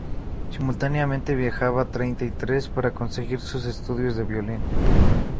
Simultáneamente viajaba a Treinta y Tres para seguir sus estudios de violín.